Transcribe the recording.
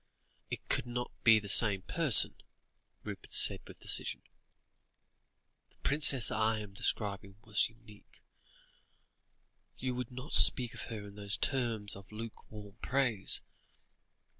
"It could not be the same person," Rupert said with decision. "The princess I am describing was unique. You would not speak of her in those terms of lukewarm praise.